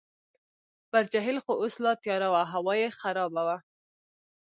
پر جهیل خو اوس لا تیاره وه، هوا یې خرابه وه.